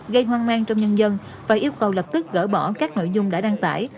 gây hoang mang trong nhân dân và yêu cầu lập tức gỡ bỏ các nội dung đã đăng tải